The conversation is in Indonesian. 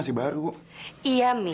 ya aku juga